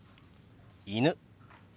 「犬」。